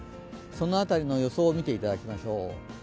その辺りの予想を見ていただきましょう。